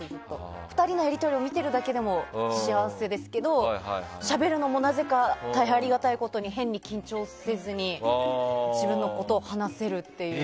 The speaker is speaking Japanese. ２人のやり取りを見てるだけでも幸せですけどしゃべるのもなぜか大変ありがたいことに変に緊張せずに自分のことを話せるっていう。